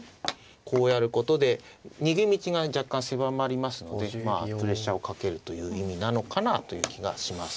こうやることで逃げ道が若干狭まりますのでまあプレッシャーをかけるという意味なのかなという気がします。